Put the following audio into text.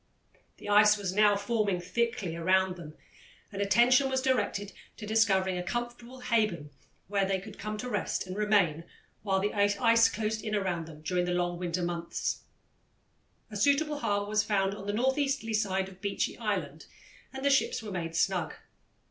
The ice was now forming thickly around them, and attention was directed to discovering a comfortable haven where they could come to rest and remain while the ice closed in around them during the long winter months. A suitable harbour was found on the northeasterly side of Beechy Island and the ships were made snug.